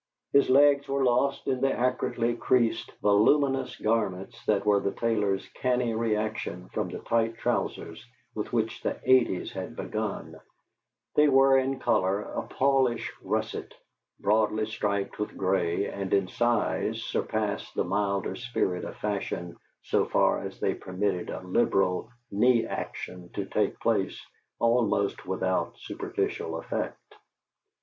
His legs were lost in the accurately creased, voluminous garments that were the tailors' canny reaction from the tight trousers with which the 'Eighties had begun: they were, in color, a palish russet, broadly striped with gray, and, in size, surpassed the milder spirit of fashion so far as they permitted a liberal knee action to take place almost without superficial effect.